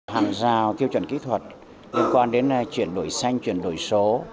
hàng rào tiêu chuẩn kỹ thuật liên quan đến chuyển đổi xanh chuyển đổi số